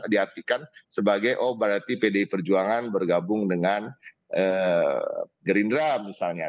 diartikan sebagai oh berarti pdi perjuangan bergabung dengan gerindra misalnya